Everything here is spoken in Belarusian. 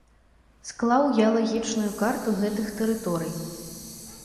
Склаў геалагічную карту гэтых тэрыторый.